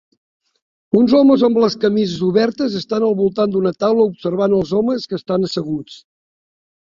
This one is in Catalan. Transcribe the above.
Uns homes amb les camises obertes estan al voltant d'una taula observant els homes que estan asseguts.